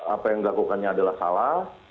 apa yang dilakukannya adalah salah